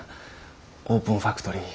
オープンファクトリー。